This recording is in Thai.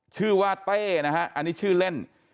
ชื่อว่าเต้นะฮะอันนี้ชื่อเล่น